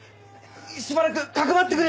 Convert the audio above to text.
しばらくかくまってくれ！